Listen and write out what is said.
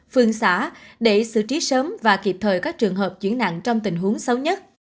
phương xã để xử trí sớm và kịp thời các trường hợp chuyển nặng trong tình huống xấu nhất